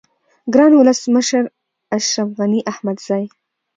گران ولس مشر اشرف غنی احمدزی